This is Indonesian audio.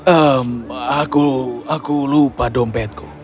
ehm aku aku lupa dompetku